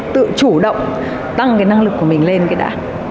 tự chủ động tăng cái năng lực của mình lên cái đã